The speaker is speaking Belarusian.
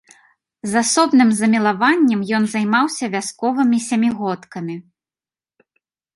З асобным замілаваннем ён займаўся вясковымі сямігодкамі.